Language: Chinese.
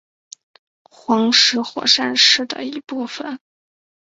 黄石火山是的一部分。